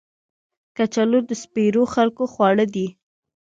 کچالو د سپېرو خلکو خواړه دي